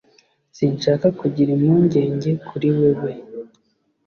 Sinshaka kugira impungenge kuri wewe